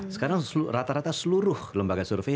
sekarang rata rata seluruh lembaga survei